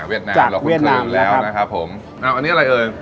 เวียดนามจากเวียดนามแล้วครับแล้วครับผมอ่าอันนี้อะไรเอ่ย